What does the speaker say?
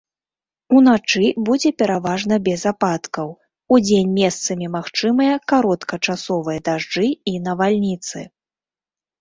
Уначы будзе пераважна без ападкаў, удзень месцамі магчымыя кароткачасовыя дажджы і навальніцы.